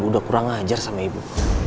udah kurang ajar sama ibu